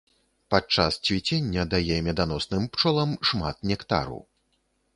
Падчас цвіцення дае меданосным пчолам шмат нектару.